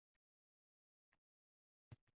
Niderlandiya qirolligi, xalq tilida – Gollandiya.